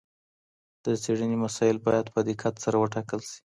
د څېړني مسایل باید په دقت سره وټاکل سي.